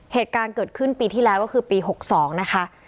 เหตุการณ์เกิดขึ้นปีที่แล้วก็คือปี๖๒นะคะ